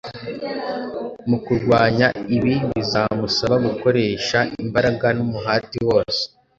Mu kurwanya ibi, bizamusaba gukoresha imbaraga n’umuhati wose.